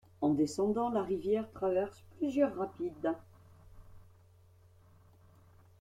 En descendant, la rivière traverse plusieurs rapides.